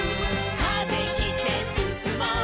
「風切ってすすもう」